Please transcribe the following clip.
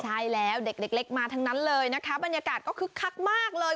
ใช่แล้วเด็กเล็กมาทั้งนั้นเลยนะคะบรรยากาศก็คึกคักมากเลย